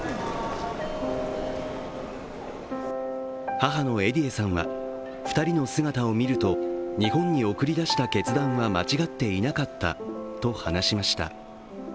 母のエディエさんは、２人の姿を見ると日本に送り出した決断は間違っていなかったと話しました。